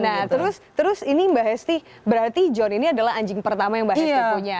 nah terus ini mbak hesti berarti john ini adalah anjing pertama yang mbak hesti punya